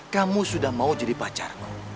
kamu sudah mau jadi pacarmu